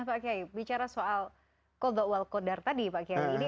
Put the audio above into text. nah pak kiai bicara soal qodwa wal qodar tadi pak kiai